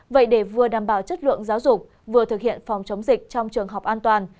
vậy để vừa đảm bảo chất lượng giáo dục vừa thực hiện phòng chống dịch trong trường học an toàn